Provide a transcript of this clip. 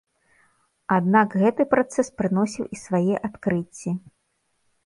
Аднак гэты працэс прыносіў і свае адкрыцці.